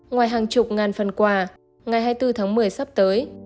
ngoài hàng chục ngàn phần quà ngày hai mươi bốn tháng một mươi sắp tới